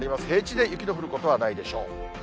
平地で雪の降ることはないでしょう。